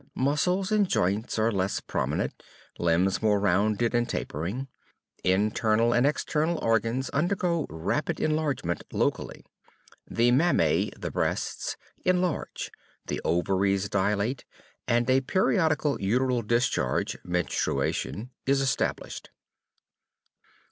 Muscles and joints are less prominent, limbs more rounded and tapering. Internal and external organs undergo rapid enlargement, locally. The mammæ (the breasts) enlarge, the ovaries dilate, and a periodical uteral discharge (menstruation) is established.